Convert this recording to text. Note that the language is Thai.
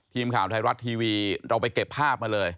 ทีมข่าวไทยรัฐทีวีเราไปเก็บภาพมาเลย